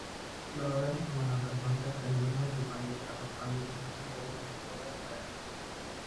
Lawrence memenangkan kontes dan Burnett dipanggil ke atas panggung untuk memberikan mahkota kepadanya.